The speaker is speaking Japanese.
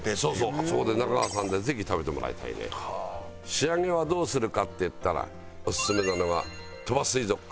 仕上げはどうするかっていったらオススメなのは鳥羽水族館。